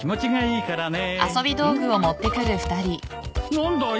何だい！？